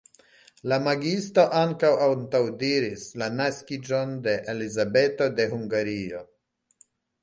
La magiisto ankaŭ antaŭdiris la naskiĝon de Elizabeto de Hungario.